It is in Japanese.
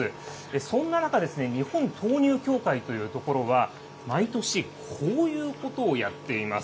そんな中、日本豆乳協会というところは、毎年こういうことをやっています。